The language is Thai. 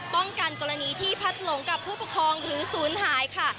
ป้องกันกรณีที่พัดหลงกับผู้ประคองหรือศูนย์หายค่ะ